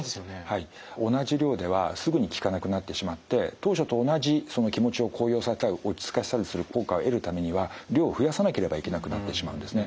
はい同じ量ではすぐに効かなくなってしまって当初と同じ気持ちを高揚させたり落ち着かせたりする効果を得るためには量を増やさなければいけなくなってしまうんですね。